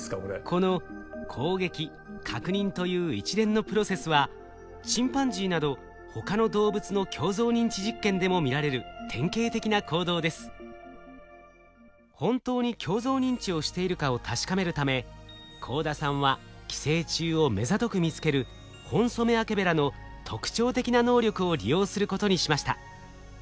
この攻撃確認という一連のプロセスはチンパンジーなど本当に鏡像認知をしているかを確かめるため幸田さんは寄生虫をめざとく見つけるホンソメワケベラの特徴的な能力を利用することにしました。